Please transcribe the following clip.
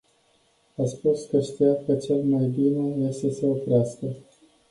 A spus că știa că cel mai bine e să se oprească.